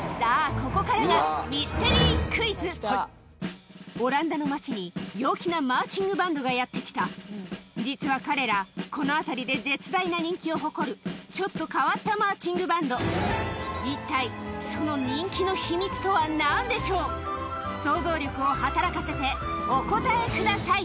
ここからがオランダの街に陽気なマーチングバンドがやって来た実は彼らこの辺りで絶大な人気を誇るちょっと変わったマーチングバンド想像力を働かせてお答えください